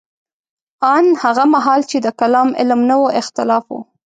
ان هغه مهال چې د کلام علم نه و اختلاف وو.